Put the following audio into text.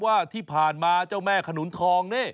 ว่าที่ผ่านมาเจ้าแม่ขนุนทองนี่